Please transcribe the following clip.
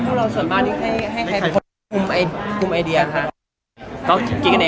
ความคลุกก็จะมีปัญหา